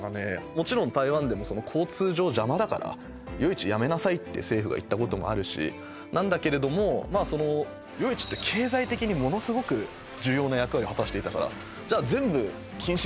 もちろん台湾でも交通上ジャマだから夜市やめなさいって政府が言ったこともあるしなんだけれども夜市って経済的にものすごく重要な役割を果たしていたからじゃあ全部禁止！